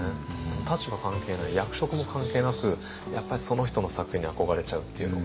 立場関係ない役職も関係なくやっぱりその人の作品に憧れちゃうっていうのがあるので。